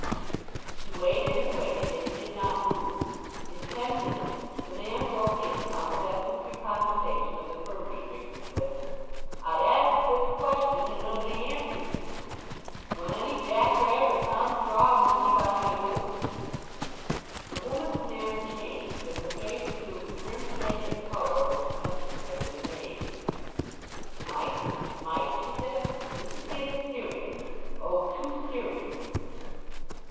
She waited and waited; yet he did not move. In ten minutes the man broke in upon the desultory conversation of the furmity drinkers with, "I asked this question, and nobody answered to 't. Will any Jack Rag or Tom Straw among ye buy my goods?" The woman's manner changed, and her face assumed the grim shape and colour of which mention has been made. "Mike, Mike," she said; "this is getting serious. O!—too serious!"